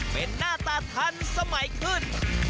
เป็นหน้าตาทันสมัยขึ้น